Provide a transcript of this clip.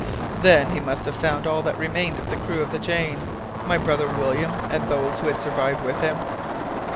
"Then he must have found all that remained of the crew of the Jane my brother William and those who had survived with him?"